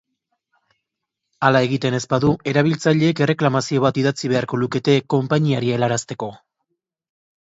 Hala egiten ez badu, erabiltzaileek erreklamazio bat idatzi beharko lukete konpainiari helarazteko.